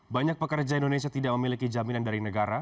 banyak pekerja indonesia tidak memiliki jaminan dari negara